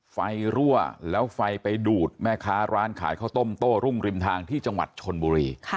ไฟรั่วแล้วไฟไปดูดแม่ค้าร้านขายข้าวต้มโต้รุ่งริมทางที่จังหวัดชนบุรี